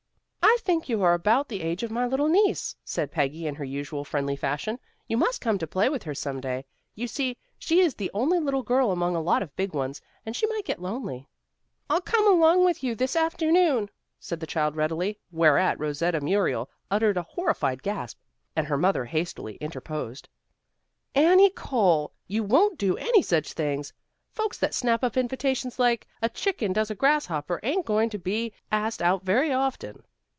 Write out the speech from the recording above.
"I think you are about the age of my little niece," said Peggy in her usual friendly fashion. "You must come to play with her some day. You see, she is the only little girl among a lot of big ones, and she might get lonely." "I'll come along with you this afternoon," said the child readily, whereat Rosetta Muriel uttered a horrified gasp, and her mother hastily interposed. "Annie Cole! You won't do any such thing. Folks that snap up invitations like a chicken does a grasshopper, ain't going to be asked out very often."